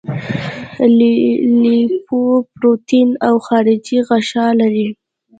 لیپوپروټین او خارجي غشا لري.